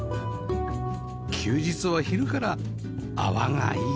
休日は昼から泡がいいですよね